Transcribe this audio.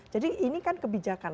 jadi ini kan kebijakan